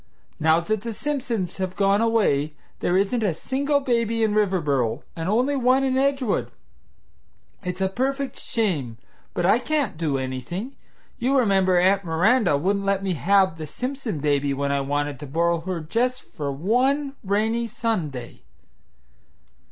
Now that the Simpsons have gone away there isn't a single baby in Riverboro, and only one in Edgewood. It's a perfect shame, but I can't do anything; you remember Aunt Miranda wouldn't let me have the Simpson baby when I wanted to borrow her just for one rainy Sunday."